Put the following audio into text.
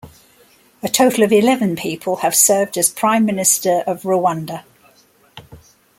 A total of eleven people have served as Prime Minister of Rwanda.